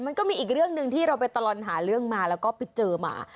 มันก็มีอีกเรื่องหนึ่งที่เราไปตลอดหาเรื่องมาแล้วก็ไปเจอมา